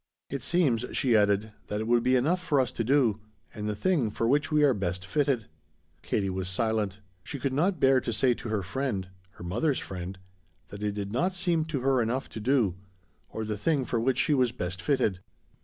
"It seems," she added, "that it would be enough for us to do. And the thing for which we are best fitted." Katie was silent; she could not bear to say to her friend her mother's friend that it did not seem to her enough to do, or the thing for which she was best fitted.